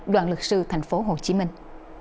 đoàn lực sư thành phố hồ chí minh